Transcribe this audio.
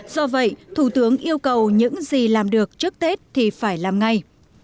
do vậy thủ tướng yêu cầu những gì làm được trước tết thì phải làm ngay